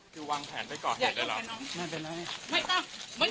คือวางแผนไปก่อให้เลยหรอ